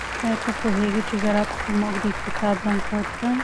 آیا ته پوهیږې چې زراعت زموږ د اقتصاد بنسټ دی؟